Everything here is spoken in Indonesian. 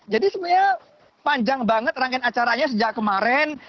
jadi sebenarnya panjang banget rangkaian acaranya sejak kemarin